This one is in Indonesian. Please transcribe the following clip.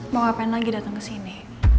mau ngapain lagi datang ke sini